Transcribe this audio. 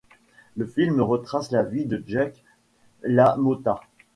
Le film retrace la vie de Jake LaMotta.